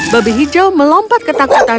babi hijau melompat ketakutan